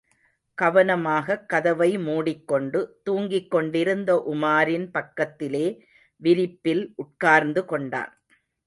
கவனமாகக் கதவை முடிக் கொண்டு, தூங்கிக் கொண்டிருந்த உமாரின் பக்கத்திலே விரிப்பில் உட்கார்ந்து கொண்டான்.